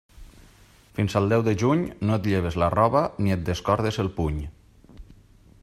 Fins al deu de juny no et lleves la roba ni et descordes el puny.